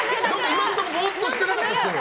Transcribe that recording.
今のところぼーってしてなかったですけど。